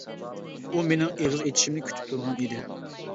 ئۇ مېنىڭ ئېغىز ئېچىشىمنى كۈتۈپ تۇرغان ئىدى.